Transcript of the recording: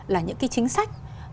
là những cái chính sách